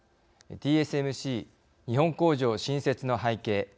ＴＳＭＣ、日本工場新設の背景